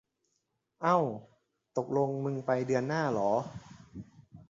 เอ้า ตกลงมึงไปเดือนหน้าเหรอ